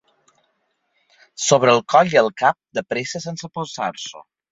Sobre el coll i el cap, de pressa sense pensar-s'ho.